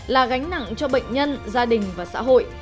là gánh nặng cho bệnh nhân gia đình và xã hội